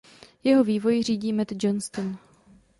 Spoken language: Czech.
Jeho vývoj řídí Matt Johnston.